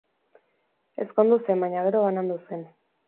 Ezkondu zen, baina gero banandu zen.